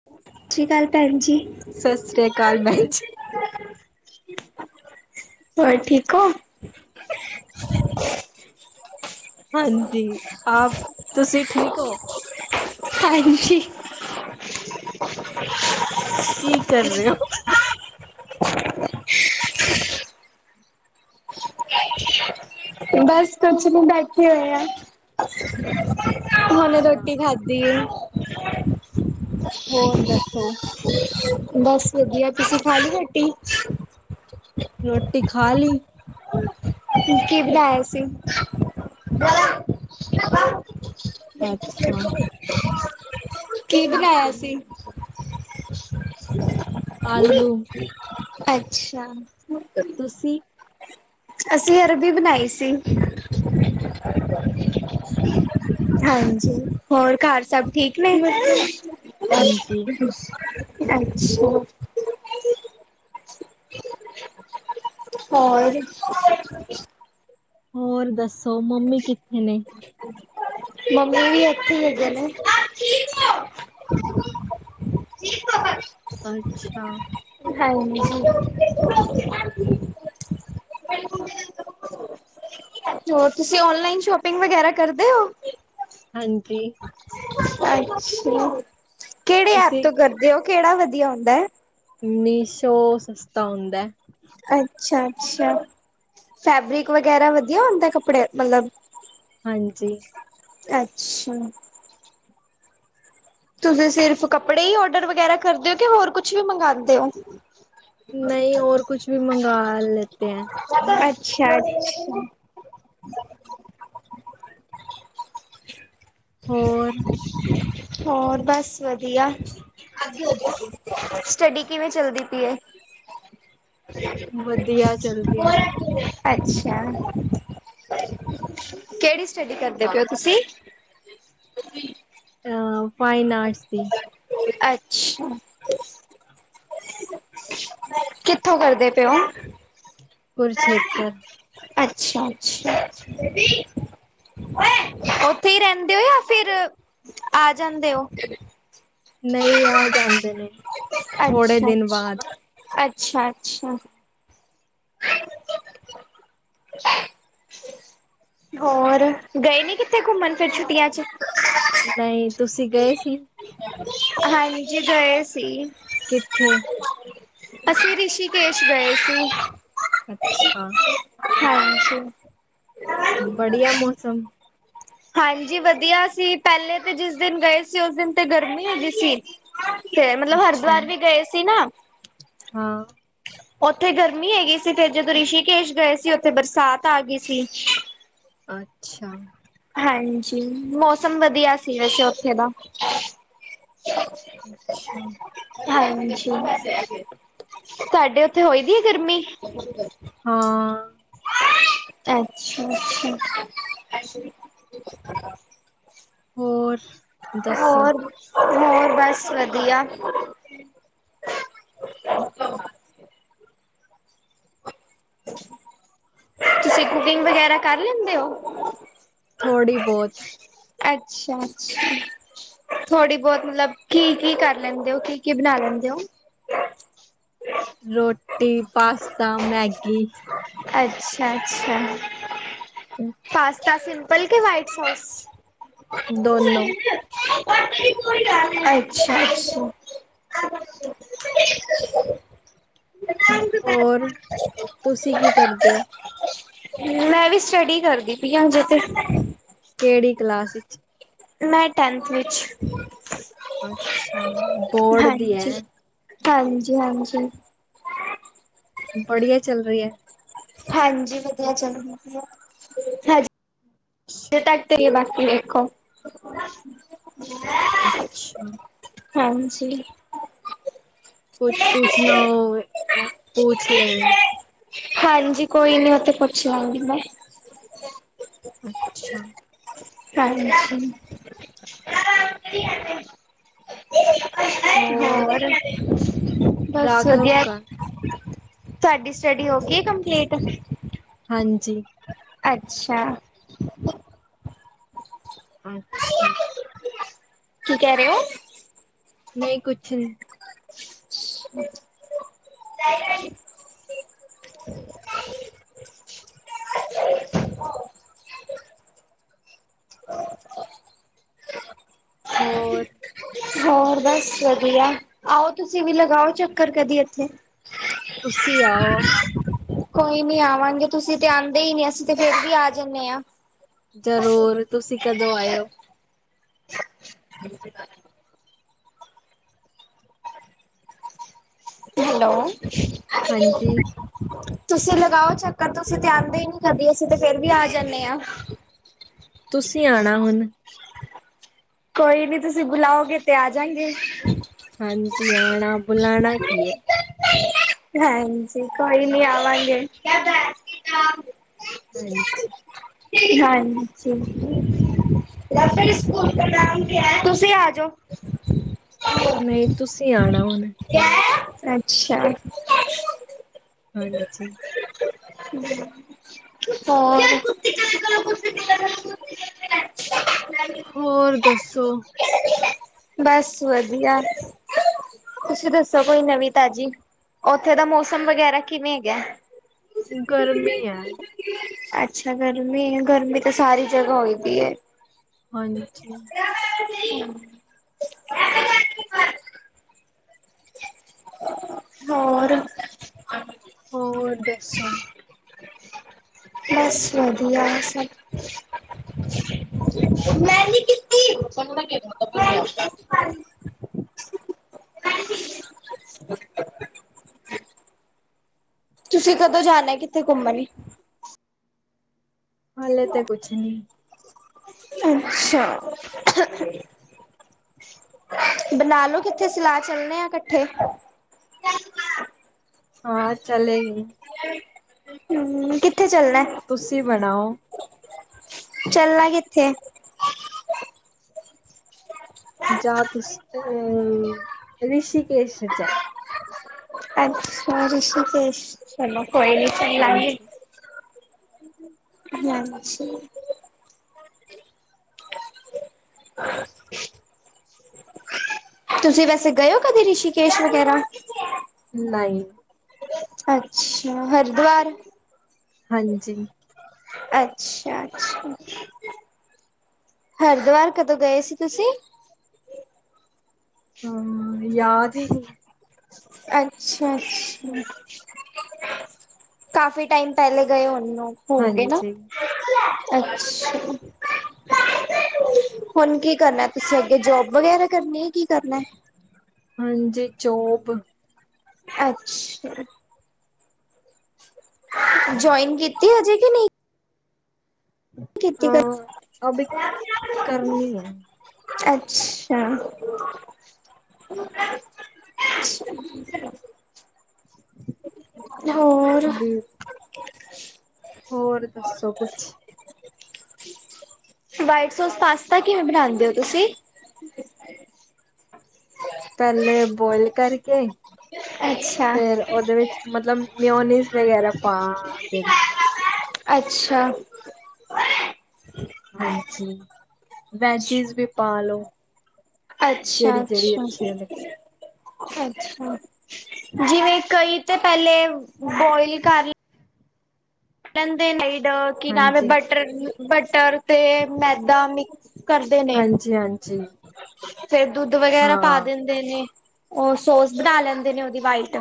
[unintelligible] ਸਤਿ ਸ੍ਰੀ ਅਕਾਲ ਭੈਣ ਜੀ। ਸਤਿ ਸ੍ਰੀ ਅਕਾਲ ਭੈਣ ਜੀ ਹੋਰ ਠੀਕ ਹੋ। ਹੁ ਹੀ ਹੇ ਹਾਂਜੀ, ਆਪ ਤੁਸੀਂ ਠੀਕ ਹੋ? ਹਾਂਜੀ। ਕੀ ਕਰ ਰੇ ਓ? ਬਸ ਕੁੱਛ ਨੀ ਬੈਠੇ ਹੋਏ ਆ। ਹੁਣੇ ਅੱਛਾ ਰੋਟੀ ਖਾਧੀ ਏ। ਹੋਰ ਦੱਸੋ? ਬਸ ਵਧੀਆ, ਤੁਸੀਂ ਖਾ ਲੀ ਰੋਟੀ? ਰੋਟੀ ਖਾ ਲੀ। ਕੀ-ਕੀ ਬਣਾਇਆ ਸੀ? ਬਈਆ ਪਲੇਟੇ ਅੱਛਾ ਭੇਜੋ ਕੀ ਬਨਾਇਆ ਸੀ? ਪੂੜੀ, ਆਲੂ ਅੱਛਾ। ਤੁਸੀਂ? ਅਸੀਂ ਅਰਬੀ ਬਣਾਈ ਸੀ। ਅੱਛਾ। ਹਾਂਜੀ ਹੋਰ ਘਰ ਸਭ ਠੀਕ ਨੇ? ਹਾਂਜੀ ਅੱਛਾ। ਹੋਰ? ਹੋਰ ਦੱਸੋ ਮੰਮੀ ਕਿੱਥੇ ਨੇ? ਮੰਮੀ ਵੀ ਐਥੀ ਹੈਗੇ ਨੇ। [inaudible] [unintelligible] [unintelligible] ਅੱਛਾ। ਹਾਂਜੀ। ਹੋਰ ਤੁਸੀਂ ਓਨਲਾਈਨ ਸ਼ੋਪਿੰਗ ਵਗੈਰਾ ਕਰਦੇ ਓ? ਹਾਂਜੀ। ਅੱਛਾ, ਕੇਹੜੇ ਐਪ ਤੁਸੀਂ ਤੋਂ ਕਰਦੇ ਓ ਕੇੜਾ ਵਧੀਆ ਹੁੰਦਾ ਐ? ਮੀਸ਼ੋ ਸਸਤਾ ਹੁੰਦਾ ਐ। ਅੱਛਾ-ਅੱਛਾ, ਫੈਬਰਿਕ ਵਗੈਰਾ ਵਧੀਆ ਹੁੰਦਾ ਕੱਪੜੇ ਮਤਲਬ ਹਾਂਜੀ। ਅੱਛਾ। ਤੁਸੀਂ ਸਿਰਫ ਕੱਪੜੇ ਈ ਓਡਰ ਵਗੈਰਾ ਕਰਦੇ ਓ ਕਿ ਹੋਰ ਕੁੱਛ ਵੀ ਮੰਗਾਂਦੇ ਓ? ਨਹੀਂ, ਓਰ ਕੁੱਛ ਵੀ ਮੰਗਵਾ ਲੇਤੇ ਹੈ। ਅੱਛਾ-ਅੱਛਾ। ਹੋਰ ਹੋਰ ਬਸ ਵਧੀਆ। ਸਟੱਡੀ, ਕਿਵੇਂ ਚੱਲਦੀ ਪਈ ਏ? ਵਧੀਆ ਚੱਲ ਰਹੀ ਹੈ ਅੱਛਾ, ਕਿਹੜੀ ਸਟੱਡੀ ਕਰਦੇ ਪਏ ਓ ਤੁਸੀਂ? [unintelligible] ਅ ਫਾਈਨ ਆਰਟਸ ਦੀ। ਅੱਛਾ। ਕਿੱਥੋਂ ਕਰਦੇ ਪਏ ਹੋ? ਕੁਰਕਸ਼ੇਤਰ। ਅੱਛਾ-ਅੱਛਾ ਓਥੇ ਈ ਰਹਿੰਦੇ ਹੋ ਜਾ। ਫਿਰ ਆ ਜਾਂਦੇ ਓ? ਨਹੀ ਆ ਜਾਂਦੇ ਨੇ ਥੋੜੇ ਦਿਨ ਬਾਦ। ਅੱਛਾ-ਅੱਛਾ। [unintelligible] ਹੋਰ ਗਏ ਨੀ ਕਿੱਥੇ ਘੁੰਮਣ ਫੇਰ ਛੁੱਟੀਆਂ ਚ? ਨਈ ਤੁਸੀਂ ਗਏ ਸੀ? ਹਾਂਜੀ ਗਏ ਸੀ। ਕਿੱਥੇ? ਅਸੀਂ ਰਿਸ਼ੀਕੇਸ਼ ਗਏ ਸੀ। ਅੱਛਾ। ਹਾਂਜੀ। ਬੜੀਆ ਮੌਸਮ? ਹਾਂਜੀ ਵਧੀਆ ਸੀ ਪਹਿਲੇ ਤੇ ਜਿਸ ਦਿਨ ਗਏ ਸੀ ਉਸ ਦਿਨ ਤੇ ਗਰਮੀ ਹੋਗੀ ਸੀ। ਤੇ ਮਤਲਬ ਅੱਛਾ ਹਰਿਦਵਾਰ ਵੀ ਗਏ ਸੀ ਨਾ। ਹਾਂ। ਓਥੇ ਗਰਮੀ ਹੈਗੀ ਸੀ ਫਿਰ ਜਦੋਂ ਰਿਸ਼ੀਕੇਸ਼ ਗਏ ਸੀ ਓਥੇ ਬਰਸਾਤ ਆ ਗੀ ਸੀ। ਅੱਛਾ। ਹਾਂਜੀ, ਮੌਸਮ ਵਧੀਆ ਸੀ ਵੈਸੇ ਓਥੇ ਦਾ। ਅੱਛਾ। ਹਾਂਜੀ, ਤੁਹਾਡੇ ਉੱਥੇ ਹੋਈ ਦੀ ਗਰਮੀ? ਹਾਂ। ਅੱਛਾ-ਅੱਛਾ। ਹੋਰ? ਦੱਸੋ ਹੋਰ-ਹੋਰ ਬਸ ਵਧੀਆ। ਤੁਸੀਂ ਕੁਕਿੰਗ ਵਗੈਰਾ ਕਰ ਲੈਂਦੇ ਓ? ਥੋੜ੍ਹੀ ਬਹੁਤ। ਅੱਛਾ-ਅੱਛਾ। ਥੋੜ੍ਹੀ ਬੋਤ ਮਤਲਬ ਕੀ ਕੀ ਕਰ ਲੈਂਦੇ ਓ ਕੀ-ਕੀ ਬਣਾ ਲੈਂਦੇ ਓ? [unintelligible] ਰੋਟੀ, ਪਾਸਤਾ, ਮੈਗੀ। ਅੱਛਾ-ਅੱਛਾ। ਹੂੰ। ਪਾਸਤਾ ਸਿੰਪਲ ਕਿ ਵਾਈਟ ਸੌਸ? ਦੋਨੋ। ਅੱਛਾ-ਅੱਛਾ। [unintelligible] ਹੋਰ, ਤੁਸੀਂ ਕੀ ਕਰਦੇ ਓ? ਮੈਂ ਵੀ ਸਟੱਡੀ ਕਰਦੀ ਪਈ ਆਂ ਹਜੇ ਤੇ। ਕਿਹੜੀ ਕਲਾਸ ਵਿੱਚ? ਮੈਂ ਟੈਨਥ ਵਿੱਚ। ਅੱਛਾ ਬੋਰਡ ਦੀ ਐ। ਹਾਂਜੀ-ਹਾਂਜੀ ਬੜੀਆ ਚੱਲ ਰੀ ਐ। ਹਾਂਜੀ ਵਧੀਆ ਚੱਲ ਰੀ ਐ [unintelligible] ਜੇ ਟਕਦੇ ਗ ਬਾਕੀ ਵੇਖੋ। ਅੱਛਾ ਹਾਂਜੀ। ਕੁੱਛ ਪੁੂਛਣਾ ਹੋਵੇ ਪੁੂਛ ਲੇਈ। ਹਾਂਜੀ ਕੋਈ ਨੀ ਉੱਥੇ ਪੁੱਛ ਲਾਂਗੀ ਮੈਂ। ਅੱਛਾ। ਹਾਂਜੀ। ਹੋਰ ਬਸ ਰਾਘਵ ਵਧੀਆ ਕਾ ਤੁਹਾਡੀ ਸਟੱਡੀ ਹੋ ਗਈ ਐ ਕੰਪਲੀਟ? ਹਾਂਜੀ। ਅੱਛਾ। [unintelligible] [unintelligible] ਅੱਛਾ। ਕੀ ਕੈ ਰੇ ਓ? ਨਈ ਕੁਛ ਨੀ। [unintelligible] [unintelligible] ਹੋਰ ਹੋਰ ਬਸ ਵ ਬਈਆ, ਆਓ ਤੁਸੀਂ ਵੀ ਲਗਾਓ ਚੱਕਰ ਕਦੀ ਇੱਥੇ। ਤੁੱਸੀ ਆਓ ਕੋਈ ਨੀ ਆਵਾਂਗੇ, ਤੁਸੀਂ ਤੇ ਆਂਦੇ ਹੀ ਨਹੀਂ, ਅਸੀਂ ਤੇ ਫੇਰ ਵੀ ਆ ਜਾਂਨੇ ਆਂ। ਜ਼ਰੂਰ, ਤੁਸੀਂ ਕਦੋਂ ਆਏ ਓ? ਸਤਿ ਸ੍ਰੀ ਅਕਾਲ। ਹੈਲੋ। ਹਾਂਜੀ ਤੁਸੀਂ ਲਗਾਓ ਚੱਕਰ, ਤੁਸੀਂ ਤੇ ਆਂਦੇ ਹੀ ਨਹੀ ਕਦੀ, ਅਸੀ ਤੇ ਫੇਰ ਵੀ ਆ ਜਾਂਨੇ ਆ। ਤੁਸੀ ਆਂਣਾ ਹੁਣ। ਕੋਈ ਨੀ ਤੁਸੀਂ ਬੁਲਾਓਗੇ ਤੇ ਆਜਾਂਗੇ। ਹਾਂਜੀ, ਆਣਾ ਬੁਲਾਣਾ ਕੀ ਹੈ ਹਾਂਜੀ ਕੋਈ ਨੀ ਆਵਾਂਗੇ। ਹਾਂਜੀ। ਹਾਂ ਨਜੀ। ਤੁਸੀਂ ਆਜੋ। ਨਹੀਂ ਤੁਸੀਂ ਆਣਾ ਹੁਣ ਅੱਛਾ। ਹਾਂਜੀ। ਹੋਰ। [inaudible] ਹੋਰ ਦੱਸੋ? ਬਸ ਵਧੀਆ। ਤੁਸੀਂ ਦੱਸੋ ਕੋਈ ਨਵੀਂ ਤਾਜ਼ੀ, ਓਥੇ ਦਾ ਮੌਸਮ ਵਗੈਰਾ ਕਿਵੇਂ ਹੈਗਾ? ਗਰਮੀ ਹੈ। ਅੱਛਾ, ਗਰਮੀ ਏ ਗਰਮੀ ਤੇ ਸਾਰੀ ਜਗ੍ਹਾ ਹੋਈ ਪੀ ਏ ਹਾਂਜੀ। [inaudible] ਹੋਰ? ਹੋਰ ਦੱਸੋ? ਬਸ ਵਧੀਆ ਸਭ। ਮੈਂ ਨੀ ਕੀਤੀ। [unintelligible] ਤੁਸੀਂ ਕਦੋਂ ਜਾਣਾ, ਕਿੱਥੇ ਘੁੰਮਣ ਲੀ? ਹਲੇ ਤੇ ਕੁਛ ਨੀ। ਅੱਛਾ। ਬਣਾਲੋ ਕਿੱਥੇ ਸਲਾਹ, ਚੱਲਣੇ ਆ ਇਕੱਠੇ। [inaudible] ਹਾਂ ਚਲੇਗੀ ਹੂੰ ਕਿੱਥੇ ਚੱਲਣਾ ਐ ਤੁਸੀਂ ਬਣਾਓ ਚਲਨਾ ਕਿੱਥੇ ਐ। ਜਾ ਤੁਸ ਤ ਰਿਸ਼ੀਕੇਸ਼ ਜਾ ਅੱਛਾ ਰਿਸ਼ੀਕੇਸ਼, ਚਲੋ ਕੋਈ ਨੀ। ਚੱਲਾਂਗੇ ਹਾਂਜੀ। ਯਾਮਿ ਛੇ ਤੁਸੀਂ ਵੈਸੇ ਗਏ ਔ ਕਦੀ ਰਿਸ਼ੀਕੇਸ਼ ਵਗੈਰਾ ਨਹੀਂ ਅੱਛਿਆ ਹਰਿਦੁਆਰ ਹਾਂਜੀ ਅੱਛਿਆ ਅੱਛੇ ਹਰਿਦੁਵਰ ਕਦੋਂ ਗਏ ਸੀ ਤੁਸੀਂ ਹਮ ਯਾਦ ਹੀ ਸੀ ਅੱਛਾ ਅੱਛਾ ਕਾਫੀ ਟਾਈਮ ਪਹਿਲੇ ਗਏ ਉਹਣਨੂੰ ਹੋ ਗ ਨਾ ਹਾਂਜੀ ਅੱਛਾ ਹੁਣ ਕੀ ਕਰਨਾ ਤੁਸੀਂ ਅੱਗੇ ਜੋਬ ਵਗੈਰਾ ਕਰਨੀ ਹੈ ਕਿ ਕਰਨਾ ਹਾਂਜੀ ਚੋਪ ਅੱਛਾ ਜੁਆਇਨ ਕੀਤੀ ਹਜੇ ਕਿ ਨਹੀਂ ਕਿ ਕੀਤੀ ਅ ਕਰ ਅਭੀ ਕਰਨੀ ਹੈ ਅੱਛਾ ਅੱਛ [unintelligible] ਹੋਰ ਵੀ ਹੋਰ ਦੱਸੋ ਕੁਛ ਵਾਈਟ ਸੋਸ ਪਾਸਤਾ ਕਿਵੇਂ ਬਣਾਉਂਦੇ ਹੋ ਤੁਸੀਂ ਪਹਿਲੇ ਬੋਇਲ ਕਰਕੇ ਅੱਛਾ ਫੇਰ ਉਹਦੇ ਵਿੱਚ ਮਤਲਬ ਮਿਓਨੀਜ਼ ਵਗੈਰਾ ਪਾ ਦੇਿੰਦੇ ਅੱਛਾ ਹਾਂਜੀ ਵੈਜਿਸ ਵੀ ਪਾ ਲੋ ਅੱਛਾ ਜਿਹੜੀ ਜਿਹੜੀ ਅੱਛਾ ਅੱਛੀ ਲੱਗੇ ਅੱਛਾ ਜਿਵੇਂ ਕਈ ਤੇ ਪਹਿਲੇ ਬੋਇਲ ਕਰ ਲ ਲਦੇ ਨਈਡ ਕਿ ਨਵੇਂ ਹਾਂਜੀ ਬਟਰ ਬਟਰ ਤੇ ਮੈਦਾ ਮਿਕਸ ਕਰਦੇ ਨੇ ਹਾਂਜੀ ਹਾਂਜੀ ਫੇਰ ਦੁੱਧ ਵਗੈਰਾ ਪਾ ਹਾਂ, ਦਿੰਦੇ ਨੇ ਉਹ ਸੋਸ ਬਣਾ ਲੈਂਦੇ ਨੇ ਉਹਦੀ ਵਾਈਟ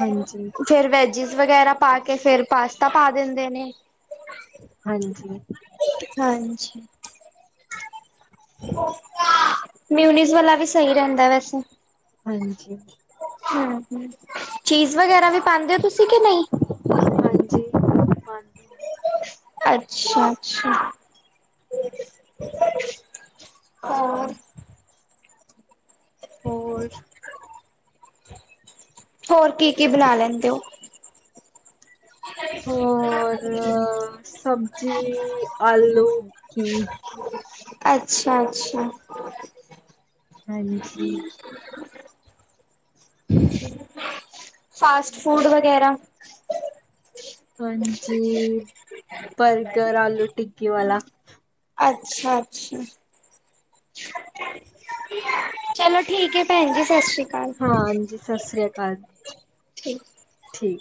ਹਾਂਜੀ ਫੇਰ ਵੈਜਿਸ ਵਗੈਰਾ ਪਾ ਕੇ ਫੇਿਰ ਪਾਸਤਾ ਪਾ ਦਿੰਦੇ ਨੇ ਹਾਂਜੀ ਹਾਂਜੀ ਮਿਊਨੀਜ਼ ਵਾਲਾ ਵੀ ਸਹੀ ਰਹਿੰਦਾ ਵੈਸੇ ਹਾਂਜੀ ਹਮ ਹਮ, ਚੀਜ਼ ਵਗੈਰਾ ਵੀ ਪਾਾਂਉਂਦੇ ਹੋ ਤੁਸੀਂ, ਕਿ ਨਹੀਂ ਹਾਂਜੀ ਹਾਂਜੀ ਅੱਛਾ ਅੱਛਾ ਹੋਰ ਹ [unintelligible] ਹੋਰ ਕੀ ਕੀ ਬਣਾ ਲੈਂਦੇ ਹੋ ਹੋਰ ਸਬਜ਼ੀ ਆਲੂ ਕੀ ਅੱਛਾ ਅੱਛਾ ਹਾਂਜੀ ਜੀ ਫਾਸਟ ਫੂਡ ਵਗੈਰਾ ਹਾਂਜੀ ਬਰਗਰ ਆਲੂ ਟਿੱਕੀ ਵਾਲਾ ਅੱਛਾ ਅੱਛਾ ਚਲੋ ਠੀਕ ਹੈ ਭੈਣ ਜੀ ਸਤਿ ਸ਼੍ਰੀ ਅਕਾਲ ਠੀਕ ਹਾਂਜੀ ਸਤਿ ਸ੍ਰੀ ਅਕਾਲ ਠੀਕ ਠੀਕ